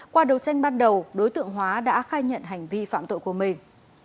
qua đấu tranh ban đầu đối tượng hóa đã khai nhận hành vi phạm tội của mình